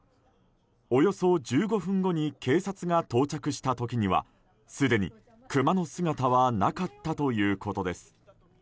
およそ１５分後に警察が到着した時にはすでにクマの姿はなかったということです。